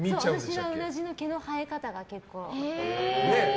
私は、うなじの毛の生え方がちょっと。